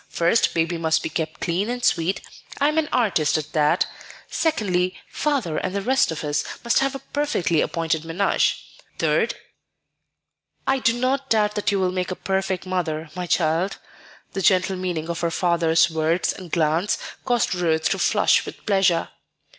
First, baby must be kept clean and sweet, I am an artist at that; secondly, Father and the rest of us must have a perfectly appointed menage; third " "I do not doubt that you will make a perfect mother, my child;" the gentle meaning of her father's words and glance caused Ruth to flush with pleasure.